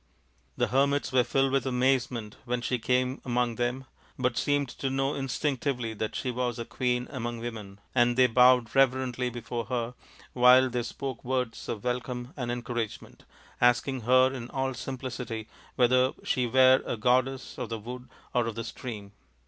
The hermits were filled with amazement when she came among them, but seemed to know in stinctively that she was a queen among women ; and they bowed reverently before her while they spoke words of welcome and encouragement, asking her in all simplicity whether she were a goddess of the wood or of the stream.